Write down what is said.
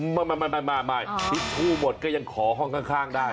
มาทิชชู่หมดก็ยังขอห้องข้างได้